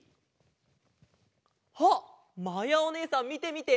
あっまやおねえさんみてみて！